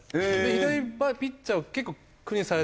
左ピッチャーを結構苦にされてたので。